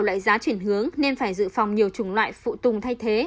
lợi giá chuyển hướng nên phải giữ phòng nhiều chủng loại phụ tùng thay thế